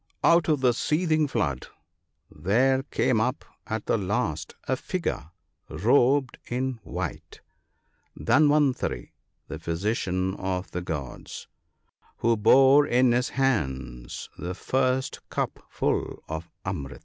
Out of the seething flood there came up at the last a figure robed in white — Dhanwantari, the physician of the gods — who bore in his hands the first cup full of the amrit.